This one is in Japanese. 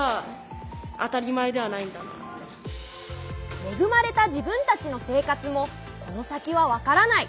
めぐまれた自分たちの生活もこの先は分からない。